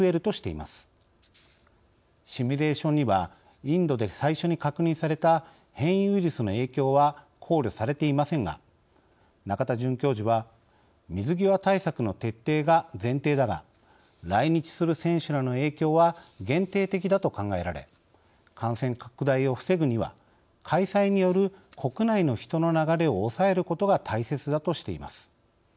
シミュレーションにはインドで最初に確認された変異ウイルスの影響は考慮されていませんが仲田准教授は水際対策の徹底が前提だが来日する選手らの影響は限定的だと考えられ感染拡大を防ぐには開催による国内の人の流れを抑えることが大切だとしています。